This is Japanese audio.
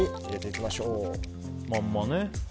まんまね。